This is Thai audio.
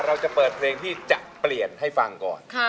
เราจะเปิดเพลงที่จะเปลี่ยนให้ฟังก่อน